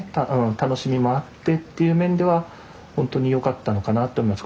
楽しみもあってっていう面ではほんとに良かったのかなって思います